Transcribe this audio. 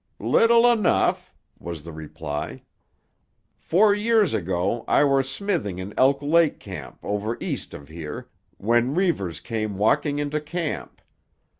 "Little enough," was the reply. "Four year ago I were smithing in Elk Lake Camp over east of here, when Reivers came walking into camp.